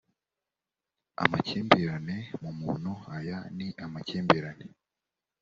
amakimbirane mu muntu aya ni amakimbirane